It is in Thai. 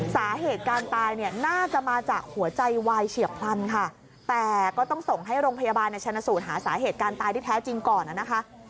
สาเหตุการตายเนี่ยน่าจะมาจากหัวใจวายเฉียบพลันค่ะแต่ก็ต้องส่งให้โรงพยาบาลชนะสูตรหาสาเหตุการตายที่แท้จริงก่อนนะคะ